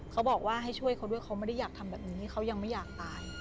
เขาบอกว่าให้ช่วยเขาด้วยเขาไม่ได้อยากทำแบบนี้เขายังไม่อยากตาย